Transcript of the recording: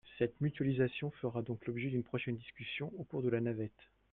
Cette mutualisation fera donc l’objet d’une prochaine discussion au cours de la navette.